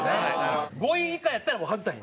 ５位以下やったらもう外さへん。